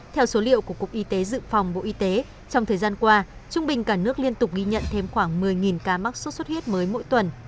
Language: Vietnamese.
theo số liệu của cục y tế dự phòng bộ y tế trong thời gian qua trung bình cả nước liên tục ghi nhận thêm khoảng một mươi ca mắc sốt xuất huyết mới mỗi tuần